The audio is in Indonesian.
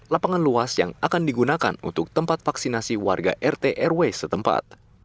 lapangan luas yang akan digunakan untuk tempat vaksinasi warga rt rw setempat